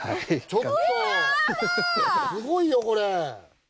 ちょっとすごいよこれ。